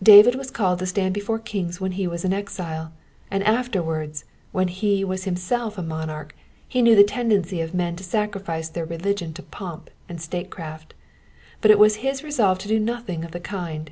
David was called to stand before kings when he was an exile ; and afterwards, when he was himself a monarch, he knew the tendency of men to sacrifice their religion to pomp and statecraft ; but it was his resolve to do nothing of the kind.